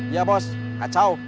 iya bos kacau